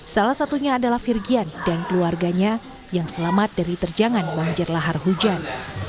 salah satunya adalah virgian dan keluarganya yang selamat dari terjangan banjir lahar hujan